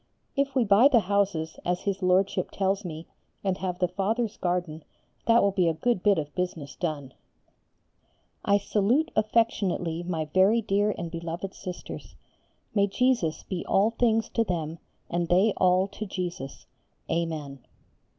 If we buy the houses, as his Lordship tells me, and have the Fathers' garden, that will be a good bit of business done. I salute affectionately my very dear and beloved Sisters. May Jesus be all things to them, and they all to Jesus. Amen.